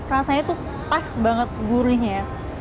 rasanya tuh pas banget gurihnya ya